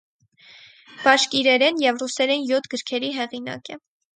Բաշկիրերեն և ռուսերեն յոթ գրքերի հեղինակ է։